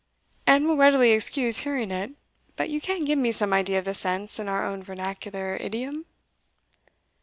"And will readily excuse hearing it. But you can give me some idea of the sense in our own vernacular idiom?"